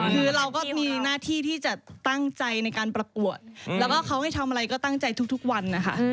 คือเราก็มีหน้าที่ที่จะตั้งใจในการประกวดแล้วก็เขาให้ทำอะไรก็ตั้งใจทุกวันนะคะ